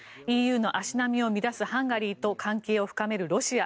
ＥＵの足並みを乱すハンガリーと関係を深めるロシア。